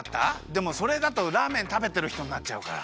でもそれだとラーメンたべてるひとになっちゃうから。